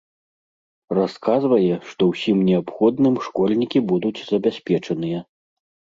Расказвае, што ўсім неабходным школьнікі будуць забяспечаныя.